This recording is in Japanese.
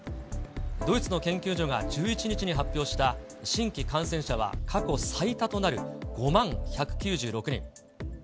ドイツの研究所が１１日に発表した新規感染者は過去最多となる５万１９６人。